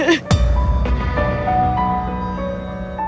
aku takut ma